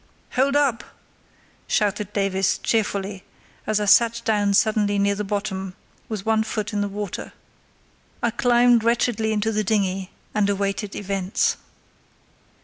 "Hold up!" shouted Davies, cheerfully, as I sat down suddenly near the bottom, with one foot in the water. I climbed wretchedly into the dinghy and awaited events.